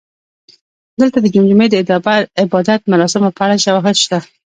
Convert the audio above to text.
دلته د جمجمې د عبادت مراسمو په اړه شواهد شته